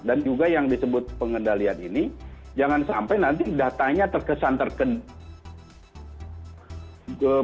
dan juga yang disebut pengendalian ini jangan sampai nanti datanya terkesan terkena